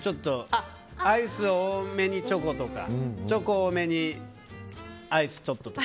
ちょっとアイス多めにチョコとかチョコ多めにアイスちょっととか。